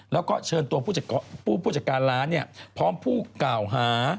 แล้วก็เชิญตัวผู้จัดการร้านพร้อมผู้กล่าวหา